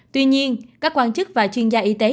tuy nhiên các quan chức và chuyên gia y tế